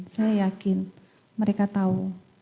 saya yakin mereka tahu